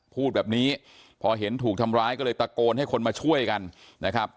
พูดแบบนี้พอเห็นถูกทำร้ายก็เลยตะโกนให้คนมาช่วยกันนะครับ